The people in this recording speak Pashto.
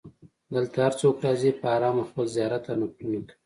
دلته هر څوک راځي په ارامه خپل زیارت او نفلونه کوي.